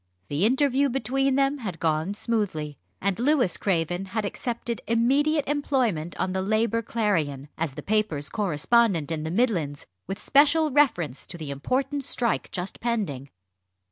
The interview between them had gone smoothly, and Louis Craven had accepted immediate employment on the Labour Clarion, as the paper's correspondent in the Midlands, with special reference to the important strike just pending.